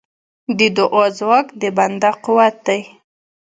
د دعا ځواک د بنده قوت دی.